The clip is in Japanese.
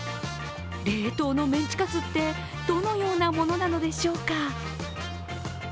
冷凍のメンチカツってどのようなものなのでしょうか？